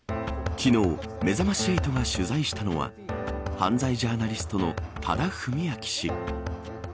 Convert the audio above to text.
昨日めざまし８が取材したのは犯罪ジャーナリストの多田文明氏。